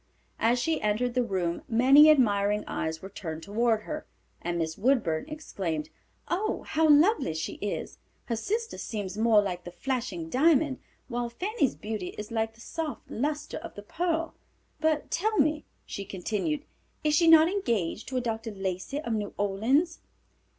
As she entered the room many admiring eyes were turned toward her, and Miss Woodburn exclaimed, "Oh, how lovely she is. Her sister seems more like the flashing diamond, while Fanny's beauty is like the soft lustre of the pearl. But tell me," she continued, "is she not engaged to a Dr. Lacey of New Orleans?"